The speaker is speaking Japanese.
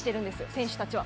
選手たちは。